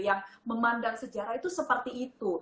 yang memandang sejarah itu seperti itu